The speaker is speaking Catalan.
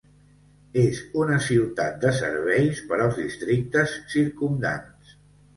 És una ciutat de serveis per als districtes circumdants.